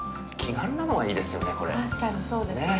確かにそうですね。